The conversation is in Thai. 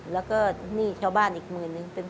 แล้วก็หนี้ชาวบ้านอีกหมื่นนึง